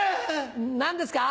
何ですか？